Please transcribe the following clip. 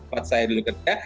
buat saya dulu kerja